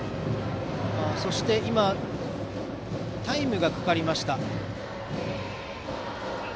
そしてタイムがかかりました。